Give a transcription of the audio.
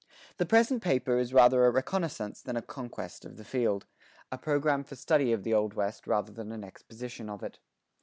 The present paper is rather a reconnaissance than a conquest of the field, a program for study of the Old West rather than an exposition of it.